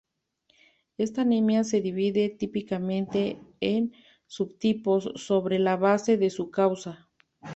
Esta anemia se divide típicamente en subtipos sobre la base de su causa.